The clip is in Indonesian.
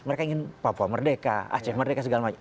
mereka ingin papua merdeka aceh merdeka segala macam